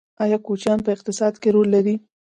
آیا کوچیان په اقتصاد کې رول لري؟